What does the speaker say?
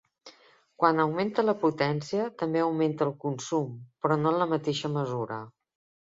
Quan augmenta la potència també augmenta el consum, però no en la mateixa mesura.